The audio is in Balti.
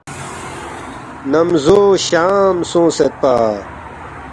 نمزو شام سونگسیدپا